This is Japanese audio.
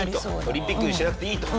オリンピックにしなくていいと？